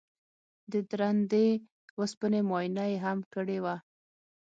د درندې وسپنې معاینه یې هم کړې وه